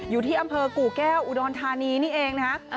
อยู่ที่อำเภอกู่แก้วอุดรธานีนี่เองนะฮะ